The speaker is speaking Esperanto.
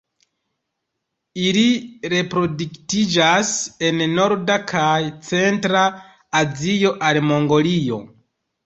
Ili reproduktiĝas en norda kaj centra Azio al Mongolio.